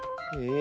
え